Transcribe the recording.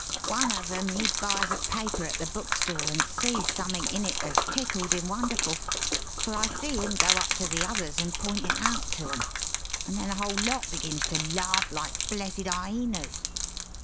One of 'em, he buys a paper at the bookstall and sees summink in it as tickled him wonderful, for I see him go up to the others and point it out to 'em, and then the whole lot begins to larf like blessed hyenas.